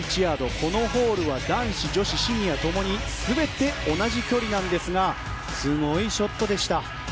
このホールは男子、女子、シニアともに全て同じ距離なんですがすごいショットでした。